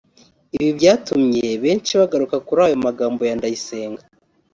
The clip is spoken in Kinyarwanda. Ibi byatumye benshi bagaruka kuri aya magambo ya Ndayisenga